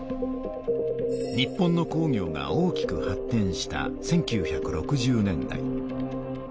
日本の工業が大きく発てんした１９６０年代。